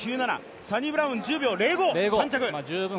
サニブラウン１０秒０５、３着。